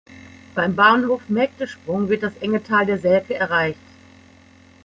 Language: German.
Beim Bahnhof Mägdesprung wird das enge Tal der Selke erreicht.